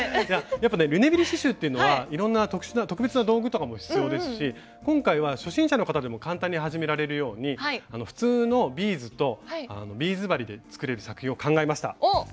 やっぱねリュネビル刺しゅうっていうのはいろんな特別な道具とかも必要ですし今回は初心者の方でも簡単に始められるように普通のビーズとビーズ針で作れる作品を考えました。